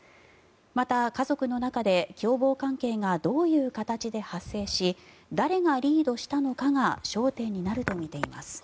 また家族の中で共謀関係がどういう形で発生し誰がリードしたのかが焦点になるとみています。